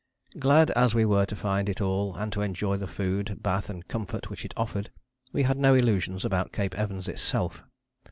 Glad as we were to find it all and to enjoy the food, bath and comfort which it offered, we had no illusions about Cape Evans itself.